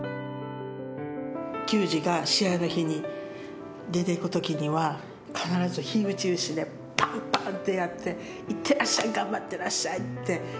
球児が試合の日に出ていく時には必ず火打ち石でパンパンってやって行ってらっしゃい頑張ってらっしゃいってやってましたね。